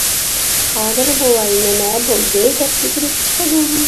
قادىر بوۋاي:-نېمە بولدى دەپ يۈگۈرۈپ چىقىدۇ.